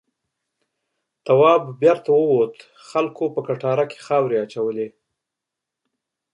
تواب بېرته ووت خلکو کټاره کې خاورې اچولې.